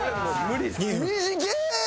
短え！